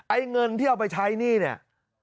ไอ้เงินที่เอาไปใช้หนี้เนี่ย